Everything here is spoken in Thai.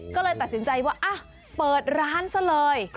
ก็เลยตัดสินใจว่าเปิดร้านซะเลย